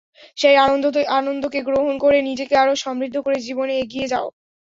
সেই আনন্দকে গ্রহণ করে নিজেকে আরও সমৃদ্ধ করে জীবনে এগিয়ে যাও।